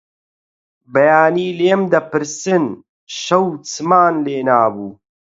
بەیانی لێم دەپرسن شەو چمان لێنابوو؟